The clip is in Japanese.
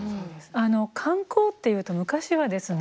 観光っていうと昔はですね